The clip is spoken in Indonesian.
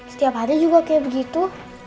setiap hari juga kayak begitu